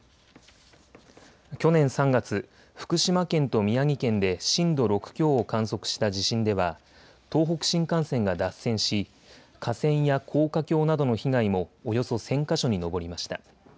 去年３月、福島県と宮城県で震度６強を観測した地震では東北新幹線が脱線し架線や高架橋などの被害もおよそ１０００か所に上りました。